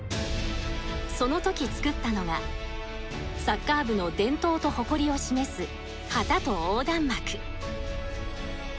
その時作ったのがサッカー部の伝統と誇りを示す旗と横断幕。